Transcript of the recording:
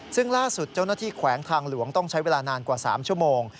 ซึ่งล่าสุดเจ้าหน้าที่แขวงทางหลวงต้องใช้เวลานานกว่า๓ชั่วโมง